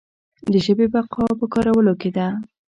د ژبې بقا په کارولو کې ده.